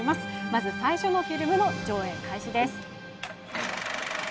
まず最初のフィルムの上映開始です。